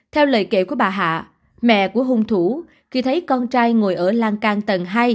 theo lời kể của bà hạ mẹ của hung thủ khi thấy con trai ngồi ở lan can tầng hai